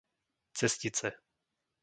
Cestice